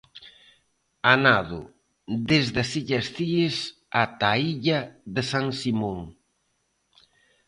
A nado desde as Illas Cíes ata a Illa de San Simón.